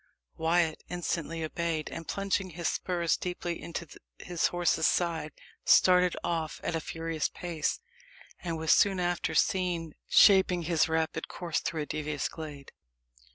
Wyat instantly obeyed, and plunging his spurs deeply into his horse's sides, started off at a furious pace, and was soon after seen shaping his rapid course through a devious glade.